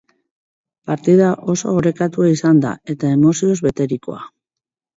Partida oso orekatua izan da, eta emozioz beterikoa.